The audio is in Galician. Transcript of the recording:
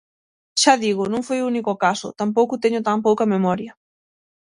Xa digo, non foi o único caso, tampouco teño tan pouca memoria.